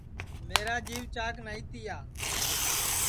میرا جِیوَ چاک نائی تِیا